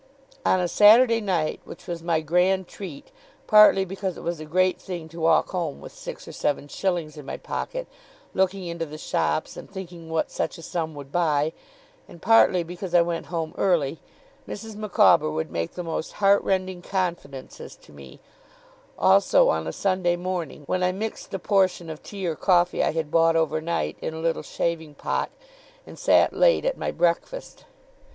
On a Saturday night, which was my grand treat, partly because it was a great thing to walk home with six or seven shillings in my pocket, looking into the shops and thinking what such a sum would buy, and partly because I went home early, Mrs. Micawber would make the most heart rending confidences to me; also on a Sunday morning, when I mixed the portion of tea or coffee I had bought over night, in a little shaving pot, and sat late at my breakfast.